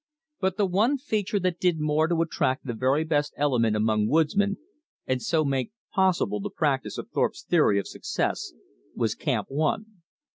But the one feature that did more to attract the very best element among woodsmen, and so make possible the practice of Thorpe's theory of success, was Camp One.